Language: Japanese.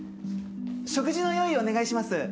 食事の用意お願いします。